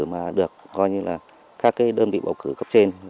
mà được các đơn vị bầu cử cấp trên